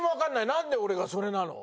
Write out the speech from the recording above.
なんで俺がそれなの？